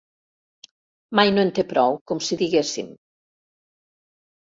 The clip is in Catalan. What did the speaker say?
Mai no en té prou, com si diguéssim.